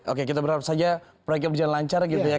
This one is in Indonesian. oke kita berharap saja proyeknya berjalan lancar gitu ya